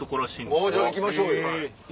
じゃあ行きましょうよ。